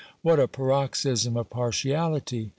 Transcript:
What a paroxysm of partiality